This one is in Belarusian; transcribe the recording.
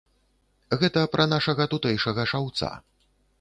Гэта пра нашага тутэйшага шаўца.